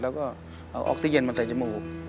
แล้วก็เอาออกซิเจนมาใส่จมูก